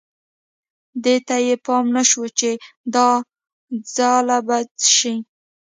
دې ته یې پام نه شو چې دا ځاله به شي.